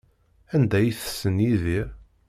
Anda ay tessen Yidir?